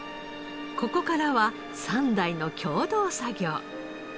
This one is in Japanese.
ここからは三代の共同作業。